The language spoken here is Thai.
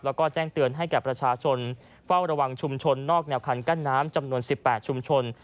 แล้วก็แจ้งเตือนให้แก่ประชาชนเฝ้าระวังชุมชนนอกแนวคันกั้นน้ำจำนวน๑๘ชุมชน